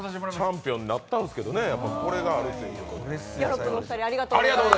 チャンピオンになったんですけどね、これがあるってことで。